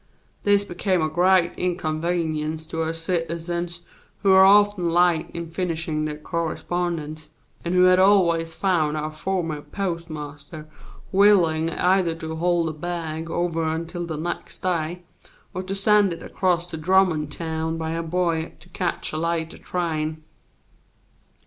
This became a great inconvenience to our citizens, who were often late in finishin' their correspondence, and who had always found our former postmaster willin' either to hold the bag over until the next day, or to send it across to Drummondtown by a boy to catch a later train.